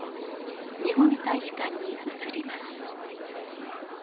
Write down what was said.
日本大使館に移ります。